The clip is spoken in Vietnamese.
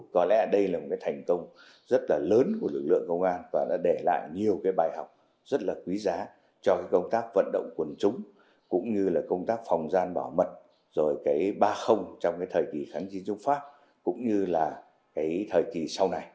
có lẽ đây là một thành công rất lớn của lực lượng công an và nó để lại nhiều bài học rất quý giá cho công tác vận động quần chúng cũng như công tác phòng gian bảo mật rồi ba trong thời kỳ kháng chiến trung pháp cũng như thời kỳ sau này